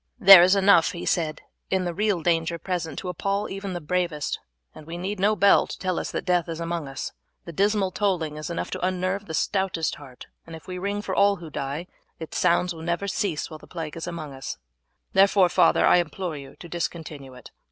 "There is enough," he said, "in the real danger present to appall even the bravest, and we need no bell to tell us that death is among us. The dismal tolling is enough to unnerve the stoutest heart, and if we ring for all who die its sounds will never cease while the plague is among us; therefore, father, I implore you to discontinue it.